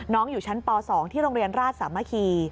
น้องอยู่ชั้นม๒ที่โรงเรียนราชสมภิ